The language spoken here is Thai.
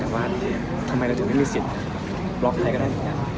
ทำไมเราถึงไม่มีสิทธิบล็อกใครก็ได้